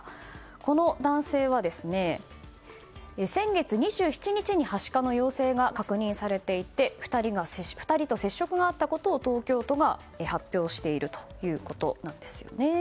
この男性は先月２７日にはしかの陽性が確認されていて２人と接触があったことを東京都が発表しているということなんですよね。